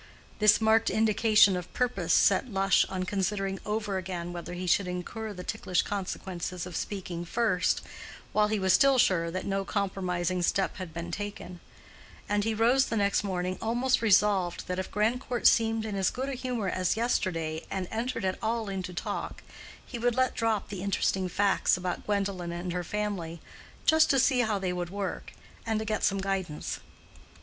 This marked indication of purpose set Lush on considering over again whether he should incur the ticklish consequences of speaking first, while he was still sure that no compromising step had been taken; and he rose the next morning almost resolved that if Grandcourt seemed in as good a humor as yesterday and entered at all into talk, he would let drop the interesting facts about Gwendolen and her family, just to see how they would work, and to get some guidance.